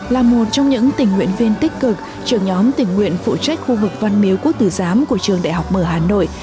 là một trong những tình nguyện viên tích cực trưởng nhóm tình nguyện phụ trách khu vực văn miếu quốc tử giám của trường đại học mở hà nội